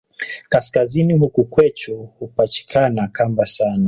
Kaskazini huku kwechu hupachikana kamba sana